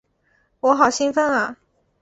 我好兴奋啊！